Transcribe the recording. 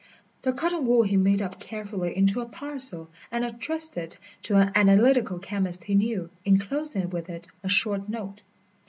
The cotton wool he made up carefully into a parcel and addressed it to an analytical chemist he knew, inclosing with it a short note.